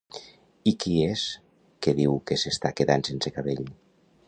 I qui és que diu que s'està quedant sense cabell?